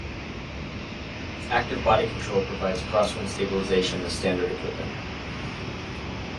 Active Body Control provides crosswind stabilization as standard equipment.